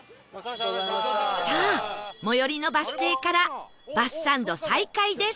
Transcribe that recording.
さあ最寄りのバス停からバスサンド再開です